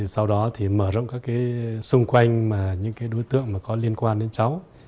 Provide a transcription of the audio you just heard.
sau đó thì mở rộng các xung quanh những đối tượng có liên quan đến cháu